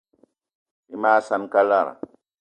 Bí mag saan kalara.